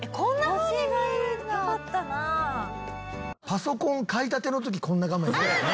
「パソコン買いたての時こんな画面やけどね」